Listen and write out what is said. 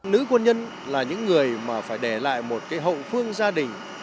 nữ quân nhân là những người mà phải để lại một hậu phương gia đình